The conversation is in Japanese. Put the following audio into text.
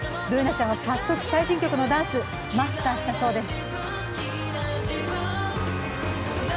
Ｂｏｏｎａちゃんは早速、最新曲のダンス、マスターしたそうです。